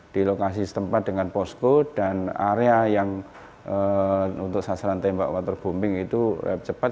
di lokasi setempat dengan posko dan area yang untuk sasaran tembak waterbombing itu cepat